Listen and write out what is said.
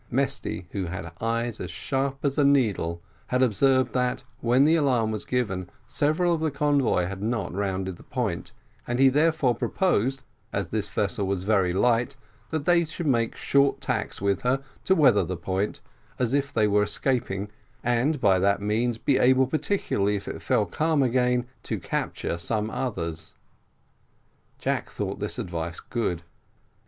Mesty, who had eyes as sharp as a needle, had observed that when the alarm was given, several of the convoy had not rounded the point, and he therefore proposed, as this vessel was very light, that they should make short tacks with her, to weather the point, as if they were escaping, and by that means be able, particularly if it fell calm again, to capture some others. Jack thought this advice good.